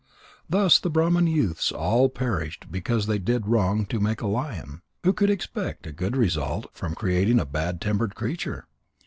Thus the Brahman youths all perished because they did wrong to make a lion. Who could expect a good result from creating a bad tempered creature?